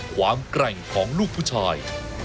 แกร่งของลูกผู้ชาย